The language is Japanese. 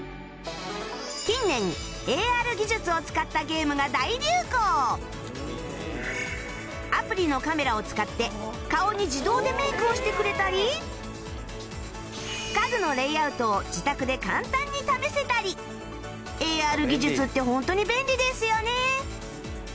近年アプリのカメラを使って顔に自動でメイクをしてくれたり家具のレイアウトを自宅で簡単に試せたり ＡＲ 技術ってホントに便利ですよね